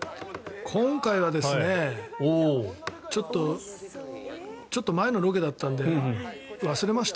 今回はちょっと前のロケだったので忘れました。